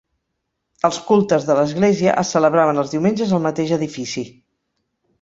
Els cultes de l'església es celebraven els diumenges al mateix edifici.